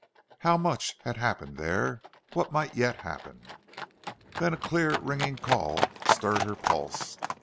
How much had happened there! What might yet happen! Then a clear, ringing call stirred her pulse.